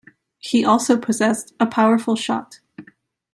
He also possessed a powerful shot.